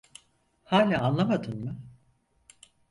Hala anlamadın mı?